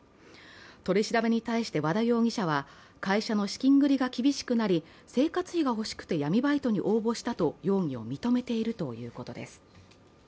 取り調べに対して和田容疑者は、会社の資金繰りが厳しくなり、生活費がほしくて闇バイトに応募したと容疑を認めているということです。